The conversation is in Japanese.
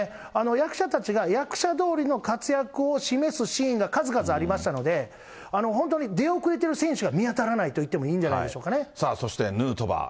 役者たちが、役者どおりの活躍を示すシーンが数々ありましたので、本当に出遅れてる選手が見当たらないといってもいいんじゃないでさあ、そしてヌートバー。